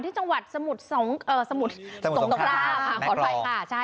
ที่จังหวัดสมุทรสองตกล้า